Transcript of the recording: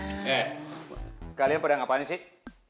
eh kalian pedang apaan sih